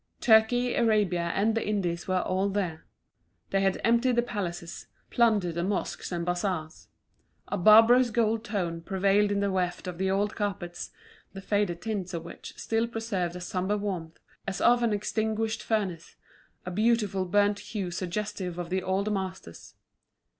Turkey, Arabia, and the Indies were all there. They had emptied the palaces, plundered the mosques and bazaars. A barbarous gold tone prevailed in the weft of the old carpets, the faded tints of which still preserved a sombre warmth, as of an extinguished furnace, a beautiful burnt hue suggestive of the old masters.